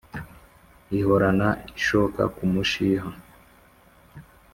ihorana ishoka n’umushiha